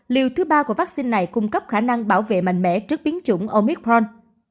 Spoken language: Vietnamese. liều thứ ba của vaccine này cung cấp khả năng bảo vệ mạnh mẽ trước biến chủng omicron